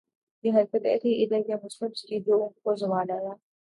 یہ حرکتیں تھیں ادھر کے مسلمز کی جو ان کو زوال آیا